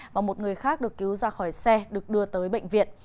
và một người khác được cứu ra khỏi xe được đưa tới bệnh viện